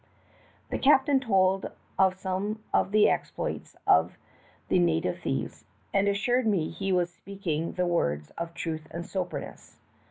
The captain told of some of the exploits of the native thieves, and assured me he was speaking the words of truth and soberness.